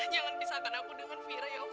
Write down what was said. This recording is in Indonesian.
jangan pisahkan aku dengan fira ya allah